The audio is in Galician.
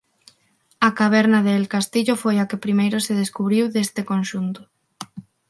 A caverna de El Castillo foi a que primeiro se descubriu deste conxunto.